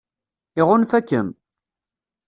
Iɣunfa-kem?